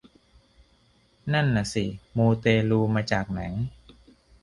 นั่นนะสิ มูเตลูมาจากไหน